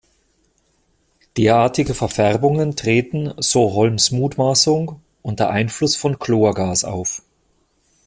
Derartige Verfärbungen treten, so Holmes' Mutmaßung, unter Einfluss von Chlorgas auf.